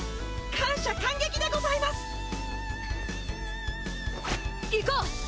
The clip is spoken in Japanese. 感謝感激でございます！いこう！